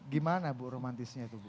gimana bu romantisnya itu bu